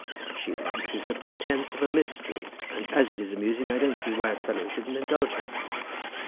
What she likes is the pretence of a mystery; and as it is amusing I don't see why a fellow shouldn't indulge her."